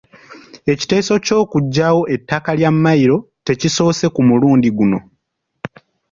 Ekiteeso ky’okuggyawo ettaka lya mmayiro tekisoose ku mulundi guno.